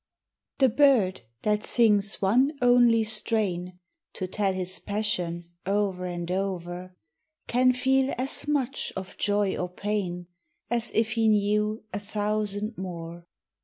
THE bird that sings one only strain, To tell his passion o'er and o'er, Can feel as much of joy or pain As if he knew a thousand more.